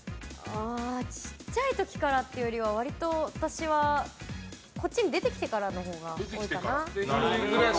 ちっちゃい時からっていうより私は割とこっちに出てきてからのほうが多いかな。